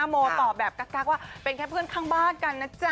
โมตอบแบบกั๊กว่าเป็นแค่เพื่อนข้างบ้านกันนะจ๊ะ